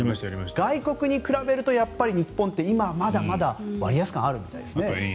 外国に比べると日本ってまだまだ割安感があるみたいですね。